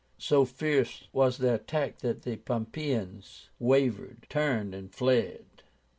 So fierce was their attack that the Pompeians wavered, turned, and fled.